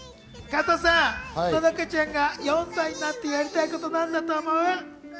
加藤さん、ののかちゃんが４歳になってやりたいこと、なんだと思う？